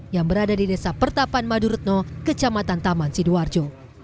yang berada di desa pertapan maduretno kecamatan taman sidoarjo